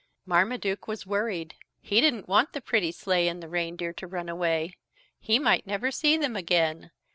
Marmaduke was worried. He didn't want the pretty sleigh and the reindeer to run away. He might never see them again.